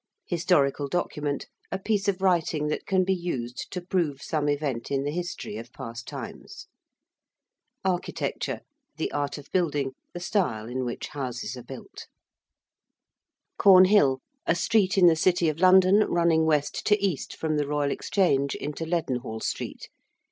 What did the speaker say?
~historical document~: a piece of writing that can be used to prove some event in the history of past times. ~architecture~: the art of building; the style in which houses are built. ~Cornhill~: a street in the City of London running west to east from the Royal Exchange into Leadenhall Street.